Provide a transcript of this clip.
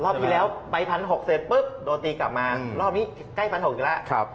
ที่แล้วไป๑๖๐๐เสร็จปุ๊บโดนตีกลับมารอบนี้ใกล้๑๖๐๐อยู่แล้ว